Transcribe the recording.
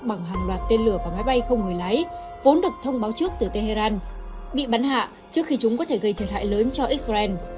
bằng hàng loạt tên lửa và máy bay không người lái vốn được thông báo trước từ tehran bị bắn hạ trước khi chúng có thể gây thiệt hại lớn cho israel